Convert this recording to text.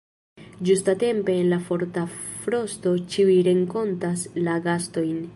Ĝustatempe en la forta frosto ĉiuj renkontas la gastojn.